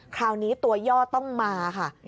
คราวนี้ตัวย่อต้องมาค่ะ